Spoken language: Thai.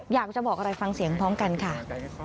อยากจะบอกอะไรฟังเสียงพร้อมกันค่ะ